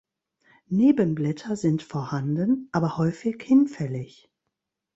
Nebenblätter sind vorhanden, aber häufig hinfällig.